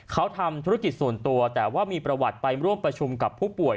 เขาทำธุรกิจส่วนตัวแต่ว่ามีประวัติไปร่วมประชุมกับผู้ป่วย